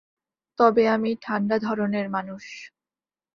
তবে আমি ঠাণ্ডা ধরনের মানুষ।